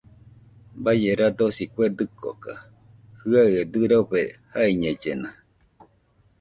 Baie radosi kue dɨkoka, jɨaɨe dɨrofe jaiñellena